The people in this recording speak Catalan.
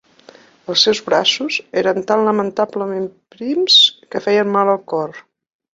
Els seus braços eren tan lamentablement prims que feien mal al cor.